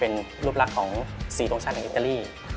เป็นรูปลักษณ์ของ๔ทรงชาติแห่งอิตาลี